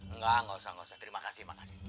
enggak enggak usah terima kasih terima kasih